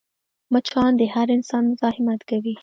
مچان د هر انسان مزاحمت کوي